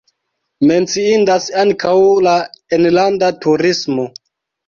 Menciindas ankaŭ la enlanda turismo.